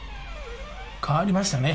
変わりましたね。